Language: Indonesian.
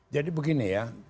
jadi begini ya